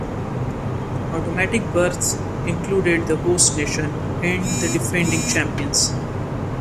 Automatic berths included the host nation and the defending champions.